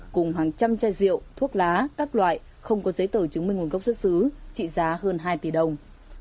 cùng hàng trăm chai rượu thuốc lá các loại không có giấy tờ chứng minh nguồn gốc xuất xứ trị giá hơn hai tỷ đồng